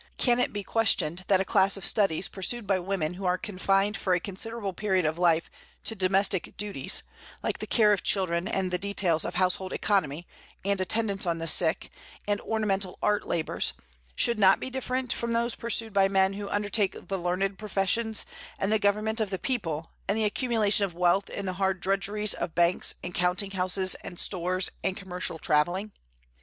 Can it be questioned that a class of studies pursued by women who are confined for a considerable period of life to domestic duties, like the care of children, and the details of household economy, and attendance on the sick, and ornamental art labors, should not be different from those pursued by men who undertake the learned professions, and the government of the people, and the accumulation of wealth in the hard drudgeries of banks and counting houses and stores and commercial travelling?